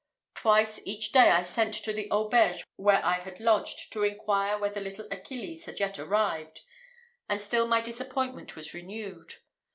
Twice each day I sent to the auberge where I had lodged, to inquire whether little Achilles had yet arrived; and still my disappointment was renewed.